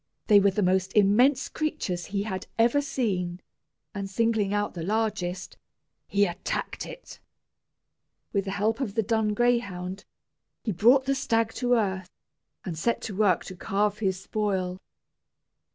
They were the most immense creatures he had ever seen; and singling out the largest, he attacked it. With the help of the dun greyhound, he brought the stag to earth, and set to work to carve his spoil.